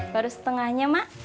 baru setengahnya mak